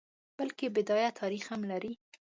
بلکه بډایه تاریخ هم لري.